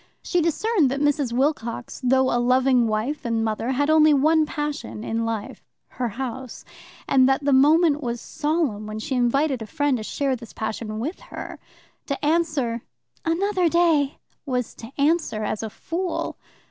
She discerned that Mrs. Wilcox, though a loving wife and mother, had only one passion in life her house and that the moment was solemn when she invited a friend to share this passion with her. To answer "another day" was to answer as a fool.